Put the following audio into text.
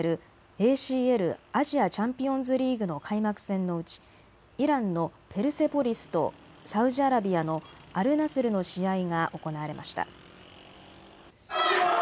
ＡＣＬ・アジアチャンピオンズリーグの開幕戦のうち、イランのペルセポリスとサウジアラビアのアルナスルの試合が行われました。